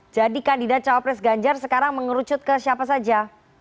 jadi kandidat cawapres ganjar sekarang mengerucut ke siapa saja